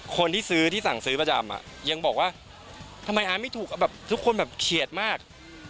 คนที่สื้อที่สั่งซื้อประจำยังบอกว่าทำไมไม่ถูกทุกคนเขียจมาก